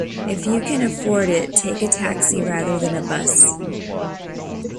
If you can afford it, take a taxi rather than a bus